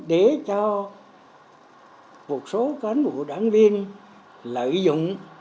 để cho một số cán bộ đảng viên lợi dụng